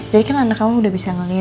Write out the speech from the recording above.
jadi kan anak kamu udah bisa ngeliat mas